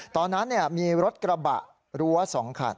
ตอนนั้นมีรถกระบะรั้ว๒คัน